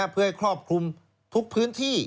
เพื่อให้ครอบคลุมทุกพื้นที่